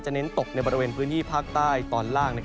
เน้นตกในบริเวณพื้นที่ภาคใต้ตอนล่าง